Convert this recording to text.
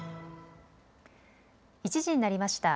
１時になりました。